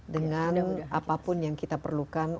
dengan apapun yang kita perlukan